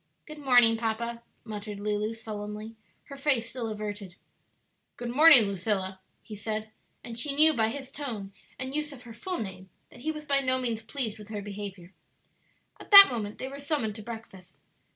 "Good morning, papa," muttered Lulu, sullenly, her face still averted. "Good morning, Lucilla," he said; and she knew by his tone and use of her full name that he was by no means pleased with her behavior. At that moment they were summoned to breakfast.